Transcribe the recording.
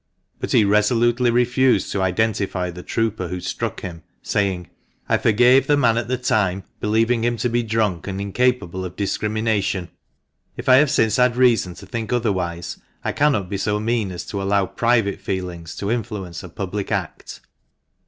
But he resolutely refused to identify the trooper who struck him, saying " I forgave the man at the time, believing him to be drunk, and incapable of discrimination. If I have since had reason to think otherwise, I cannot be so mean as to allow private feelings to influence a public act."